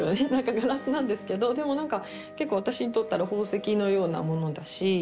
ガラスなんですけどでもなんか結構私にとったら宝石のようなものだし。